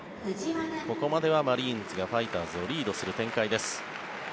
ここまではマリーンズがファイターズをリードする展開です。